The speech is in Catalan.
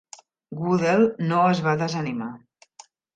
Goodell no es va desanimar.